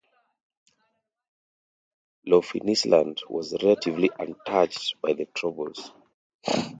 Loughinisland was relatively untouched by the Troubles.